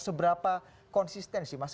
seberapa konsisten sih mas